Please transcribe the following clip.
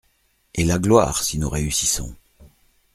Et la gloire, si nous réussissons !